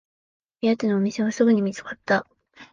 目当てのお店がすぐに見つかった